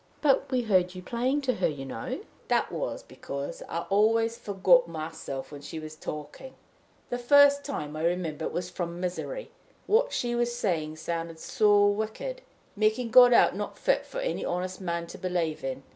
"But we heard you playing to her, you know." "That was because I always forgot myself while she was talking. The first time, I remember, it was from misery what she was saying sounded so wicked, making God out not fit for any honest man to believe in.